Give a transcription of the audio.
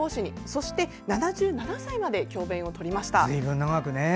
そして７７歳まで教べんをとりました。